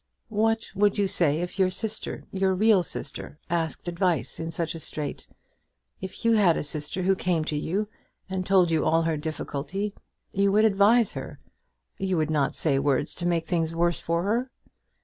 "What would you say if your sister, your real sister, asked advice in such a strait? If you had a sister, who came to you, and told you all her difficulty, you would advise her. You would not say words to make things worse for her."